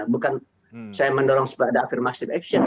bukan saya mendorong supaya ada afirmasi action